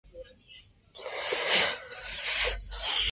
Se encuentra en Namibia y en la República Democrática del Congo.